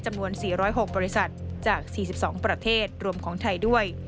จำนวน๔๐๖บริษัทจาก๔๒ประเทศรวมของไทยด้วย